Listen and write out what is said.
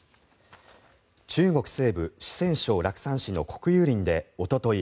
中国西部、四川省楽山市の国有林でおととい